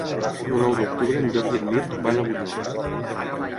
El nou d'octubre en Llop i en Mirt van a Bunyola.